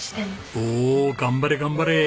おお頑張れ頑張れ！